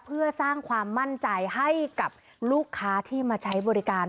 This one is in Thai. เพื่อสร้างความมั่นใจให้กับลูกค้าที่มาใช้บริการ